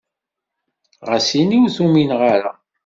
Ɣas ini ur t-umineɣ ara.